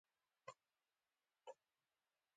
موږ له طبیعي ښکلاګانو څخه ډیر خوند پورته کړ